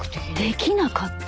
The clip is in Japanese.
できなかった。